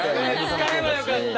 使えばよかった